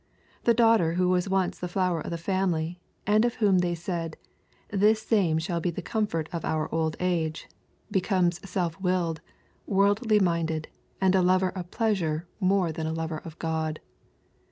The daughter who was once the flower of the family, and of whom they said, " This same shall be the comfort of our old age," becomes self willed, worldly minded, and a lover of pleasure more than a lover of God.